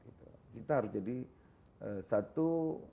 kita harus jadi satu